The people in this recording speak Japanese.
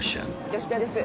吉田です。